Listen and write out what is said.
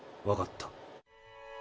わかった。